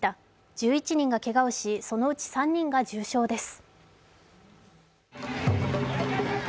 １１人がけがをし、そのうち３人が重傷です。